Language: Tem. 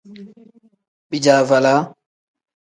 Bijaavalaa.